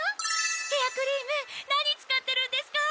ヘアクリーム何使ってるんですか？